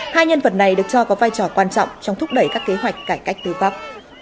hai nhân vật này được cho có vai trò quan trọng trong thúc đẩy các kế hoạch cải cách tư pháp